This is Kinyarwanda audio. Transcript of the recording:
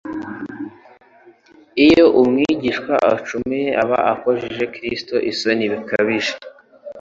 Iyo umwigishwa acumuye aba akojeje Kristo isoni bikabije.